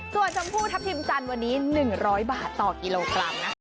ส่วนชมพูทัพทิมจันทร์วันนี้๑๐๐บาทต่อกิโลกรัมนะคะ